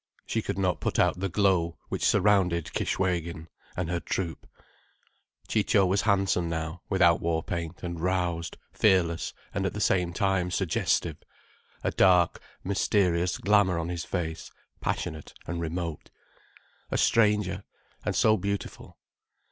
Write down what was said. She could not put out the glow which surrounded Kishwégin and her troupe. Ciccio was handsome now: without war paint, and roused, fearless and at the same time suggestive, a dark, mysterious glamour on his face, passionate and remote. A stranger—and so beautiful.